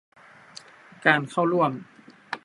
การเข้าร่วม